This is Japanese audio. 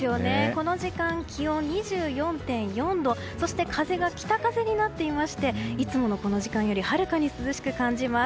この時間、気温２４．４度そして風が北風になっていましていつものこの時間よりはるかに涼しく感じます。